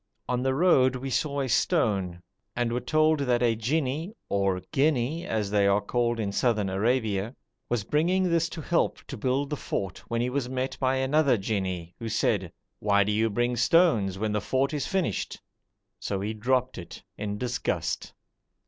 On the road we saw a stone, and were told that a jinni (or ghinni as they are called in Southern Arabia) was bringing this to help to build the fort when he was met by another jinni who said, 'Why do you bring stones when the fort is finished?' so he dropped it in disgust.